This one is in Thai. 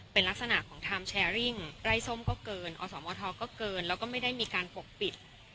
เป็นลักษณะของไล่ส้มก็เกินอมก็เกินแล้วก็ไม่ได้มีการปกปิด